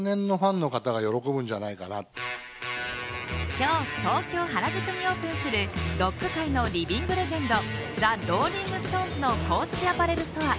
今日、東京・原宿にオープンするロック界のリビングレジェンドザ・ローリング・ストーンズの公式アパレルストア。